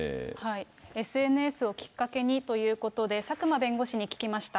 ＳＮＳをきっかけにということで、佐久間弁護士に聞きました。